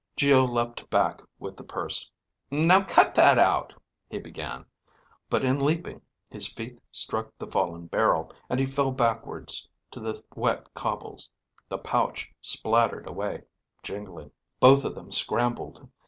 Geo leapt back with the purse. "Now cut that out," he began; but in leaping, his feet struck the fallen barrel, and he fell backwards to the wet cobbles. The pouch splattered away, jingling. Both of them scrambled.